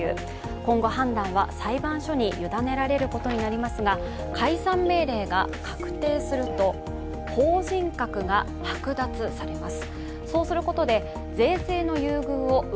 今後、判断は裁判所に委ねられることになりますが解散命令が確定すると、法人格が剥奪されます。